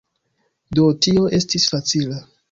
Do tio estis facila.